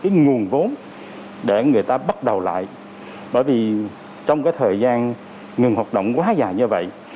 cái nguồn vốn để người ta bắt đầu lại bởi vì trong cái thời gian ngừng hoạt động quá dài như vậy